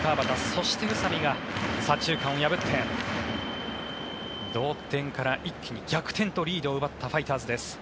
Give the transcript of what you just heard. そして、宇佐見が左中間を破って同点から一気に逆転リードを奪ったファイターズです。